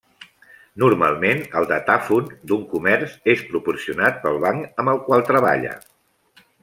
Normalment el datàfon d'un comerç és proporcionat pel banc amb el qual treballa.